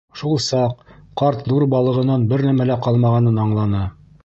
Шул саҡ ҡарт ҙур балығынан бер нәмә лә ҡалмағанын анланы.